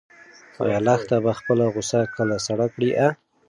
ایا لښته به خپله غوسه کله سړه کړي؟